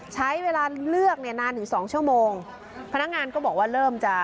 ใช้เวลาเลือกเนี่ยนานถึงสองชั่วโมงพนักงานก็บอกว่าเริ่มจะ